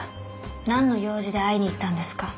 なんの用事で会いに行ったんですか？